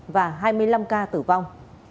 và hai mươi năm ca tử vong